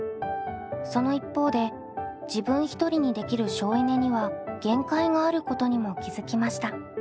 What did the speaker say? その一方で自分一人にできる省エネには限界があることにも気付きました。